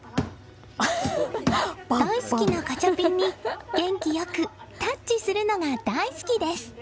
大好きなガチャピンに元気良くタッチするのが大好きです。